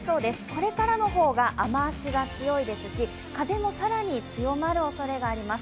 これからの方が雨足が強いですし、風も更に強まるおそれがあります。